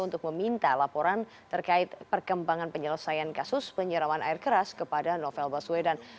untuk meminta laporan terkait perkembangan penyelesaian kasus penyeraman air keras kepada novel baswedan